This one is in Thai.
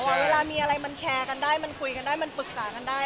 เวลามีอะไรมันแชร์กันได้มันคุยกันได้มันปรึกษากันได้